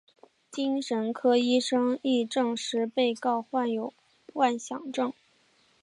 精神科医生亦证实被告患有妄想症。